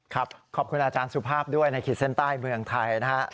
ขอบคุณอาจารย์สุภาพด้วยในขีดเส้นใต้เมืองไทยนะฮะ